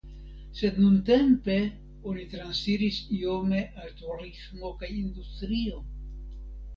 Sed nuntempe oni transiris iome al turismo kaj industrio.